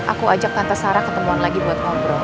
aku ajak tante sarah ketemuan lagi buat ngobrol